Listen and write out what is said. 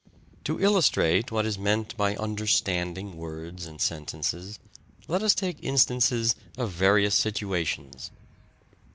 To illustrate what is meant by "understanding" words and sentences, let us take instances of various situations.